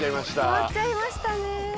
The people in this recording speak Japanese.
終わっちゃいましたね。